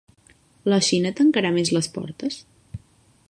La Xina tancarà més les portes?